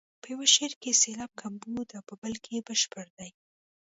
په یو شعر کې سېلاب کمبود او په بل کې بشپړ دی.